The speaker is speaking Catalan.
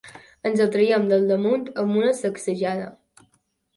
Ens ho trèiem del damunt amb una sacsejada.